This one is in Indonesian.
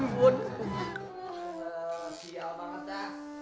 aduh sial banget dah